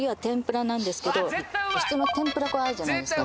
普通の天ぷら粉あるじゃないですか